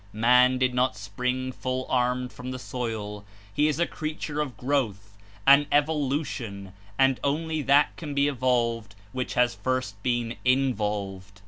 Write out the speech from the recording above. Man did not spring full armed from the soil. He Is a creature of growth, an evolution, and only that can be evolved which has first been Involved.